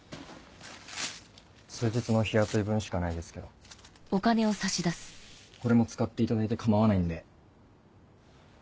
数日の日雇い分しかないですけどこれも使っていただいて構わないんで。